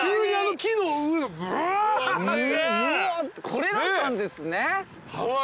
これだったんですね。